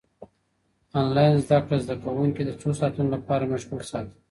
انلاين زده کړه زده کوونکي د څو ساعتونو لپاره مشغول ساتي.